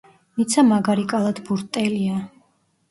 ნიცა მაგარი კალათბურტელია.